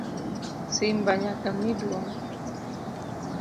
Simba nyaka mi duong.